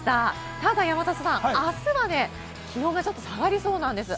ただ山里さん、明日は気温がちょっと下がりそうなんです。